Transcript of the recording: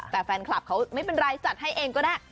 แต่แฟนคลับเขาไม่เป็นไรจัดให้เองก็ได้